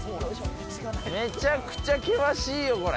めちゃくちゃ険しいよ、これ。